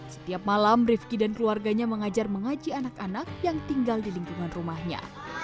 setiap malam rifki dan keluarganya mengajar mengaji anak anak yang tinggal di lingkungan rumahnya